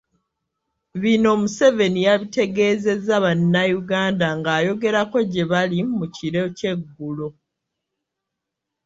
Bino Museveni yabitegeezezza bannayuganda ng'ayogerako gye bali mu kiro ky'eggulo.